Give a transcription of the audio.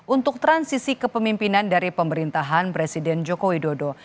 untuk transisi kepemimpinan dari pemerintahan presiden joko widodo